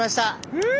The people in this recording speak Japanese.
うん！